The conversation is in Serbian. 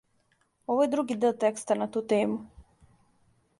Ово је други део текста на ту тему.